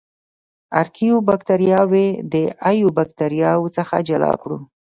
ارکیو باکتریاوې د ایو باکتریاوو څخه جلا کړو.